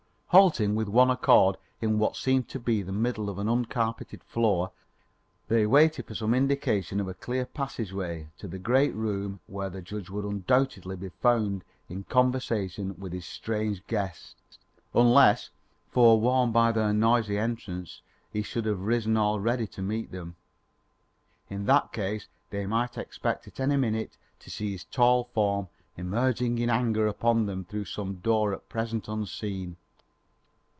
Halting with one accord in what seemed to be the middle of the uncarpeted floor, they waited for some indication of a clear passageway to the great room where the judge would undoubtedly be found in conversation with his strange guest, unless, forewarned by their noisy entrance, he should have risen already to meet them. In that case they might expect at any minute to see his tall form emerging in anger upon them through some door at present unseen.